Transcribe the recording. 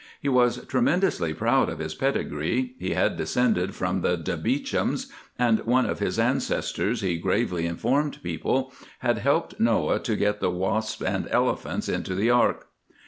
He was tremendously proud of his pedigree; he had descended from the de Beauchamps, and one of his ancestors, he gravely informed people, had helped Noah to get the wasps and elephants into the Ark.